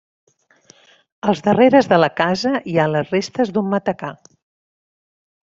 Als darreres de la casa hi ha les restes d'un matacà.